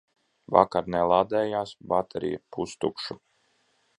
Vakar nelādējās, baterija pustukša.